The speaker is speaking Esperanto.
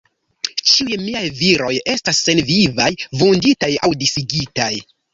Ĉiuj miaj viroj estas senvivaj, vunditaj aŭ disigitaj.